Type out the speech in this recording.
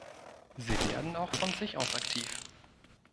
Sie werden auch von sich aus aktiv.